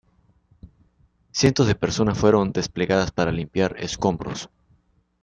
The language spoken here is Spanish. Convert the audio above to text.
Cientos de personas fueron desplegadas para limpiar escombros.